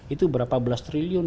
itu berapa belas triliun